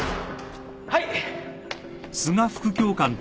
はい。